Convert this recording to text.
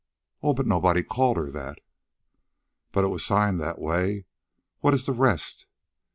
"Oh, but nobody called her that." "But she signed it that way. What is the rest?"